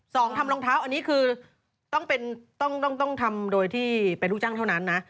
สองทำรองเท้าอันนี้คือต้องทำโดยที่เป็นลูกจ้างเท่านั้นนะ